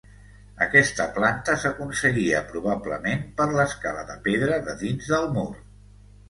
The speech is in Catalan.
Aquesta planta s'aconseguia probablement per l'escala de pedra de dins del mur.